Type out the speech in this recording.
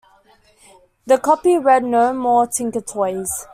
The copy read No More Tinker Toys.